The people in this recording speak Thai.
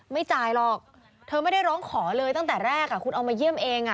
ไม่จ่ายหรอกเธอไม่ได้ร้องขอเลยตั้งแต่แรกคุณเอามาเยี่ยมเอง